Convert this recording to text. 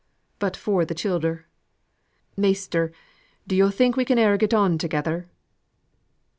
But for th' childer, Measter, do yo' think we can e'er get on together?"